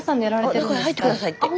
スタジオあ中へ入ってくださいって。